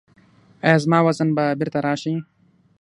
ایا زما وزن به بیرته راشي؟